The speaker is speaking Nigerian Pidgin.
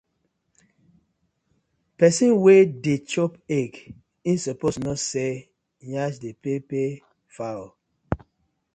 Pesin wey dey chop egg e suppose kno say yansh dey pepper fowl.